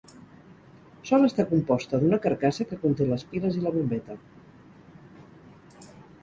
Sol estar composta d'una carcassa que conté les piles i la bombeta.